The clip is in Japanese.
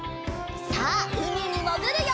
さあうみにもぐるよ！